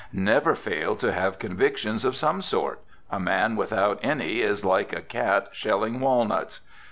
Never fail to have convictions of some sort. A man without any is like a cat shelling walnuts.